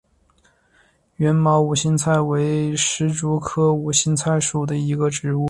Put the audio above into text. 缘毛无心菜为石竹科无心菜属的植物。